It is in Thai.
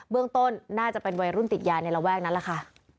เรื่องต้นน่าจะเป็นวัยรุ่นติดยาในระแวกนั้นแหละค่ะ